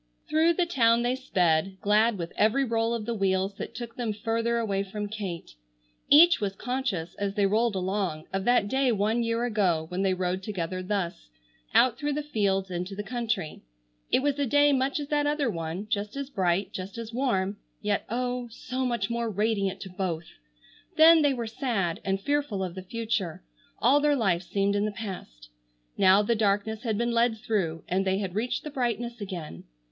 Through the town they sped, glad with every roll of the wheels that took them further away from Kate. Each was conscious, as they rolled along, of that day one year ago when they rode together thus, out through the fields into the country. It was a day much as that other one, just as bright, just as warm, yet oh, so much more radiant to both! Then they were sad and fearful of the future. All their life seemed in the past. Now the darkness had been led through, and they had reached the brightness again.